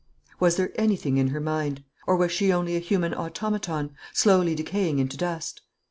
Was there anything in her mind; or was she only a human automaton, slowly decaying into dust?